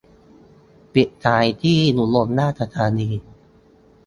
ปิดท้ายที่อุบลราชธานี